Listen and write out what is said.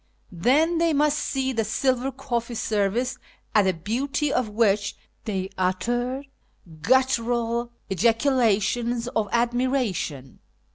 Then they must see the silver cofCee service, at the beauty of which they uttered guttural ejaculations of admira tion.